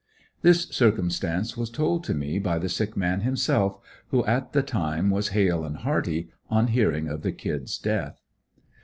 This circumstance was told to me by the sick man himself, who at the time was hale and hearty, on hearing of the "Kid's" death.